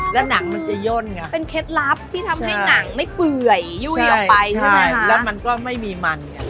แล้วหนังมันจะย่นไงเป็นเคล็ดลับที่ทำให้หนังไม่เปื่อยยุ่ยออกไปใช่ไหมแล้วมันก็ไม่มีมันไง